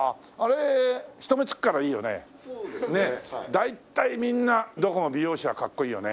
大体みんなどこも美容師はかっこいいよね。